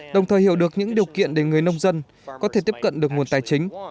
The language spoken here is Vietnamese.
đồng thời hiểu được những điều kiện để người nông dân có thể tiếp cận được nguồn tài chính